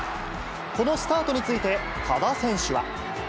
このスタートについて、多田選手は。